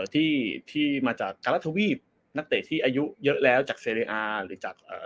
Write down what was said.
ที่ที่มาจากการรัฐทวีปนักเตะที่อายุเยอะแล้วจากเซเรอาร์หรือจาก